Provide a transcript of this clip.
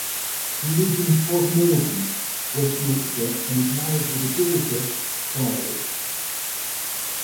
He lives in Todmorden, West Yorkshire and is married with a daughter, Violet.